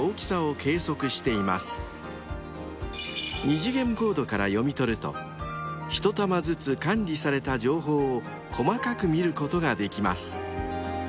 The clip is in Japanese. ［二次元コードから読み取ると一玉ずつ管理された情報を細かく見ることができます］